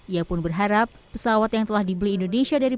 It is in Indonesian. ia pun berharap pesawat yang telah dibeli indonesia dari